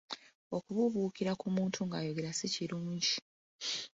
Okubuubuukira ku muntu ng'ayogera si kirungi.